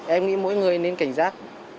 em nghĩ mỗi người nên cảnh giác